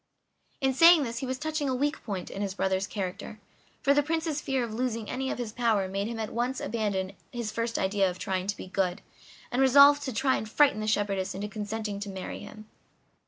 In saying this he was touching a weak point in his brother's character; for the Prince's fear of losing any of his power made him at once abandon his first idea of trying to be good, and resolve to try and frighten the shepherdess into consenting to marry him.